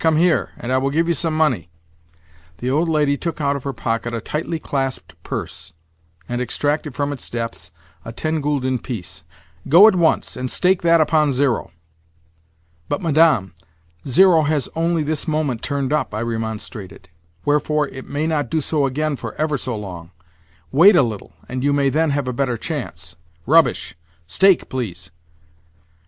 Come here, and I will give you some money." The old lady took out of her pocket a tightly clasped purse, and extracted from its depths a ten gülden piece. "Go at once, and stake that upon zero." "But, Madame, zero has only this moment turned up," I remonstrated; "wherefore, it may not do so again for ever so long. Wait a little, and you may then have a better chance." "Rubbish! Stake, please."